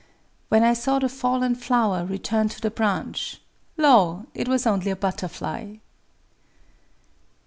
[_When I saw the fallen flower return to the branch—lo! it was only a butterfly!